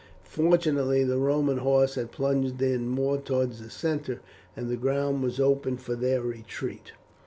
Fortunately the Roman horse had plunged in more towards the centre, and the ground was open for their retreat.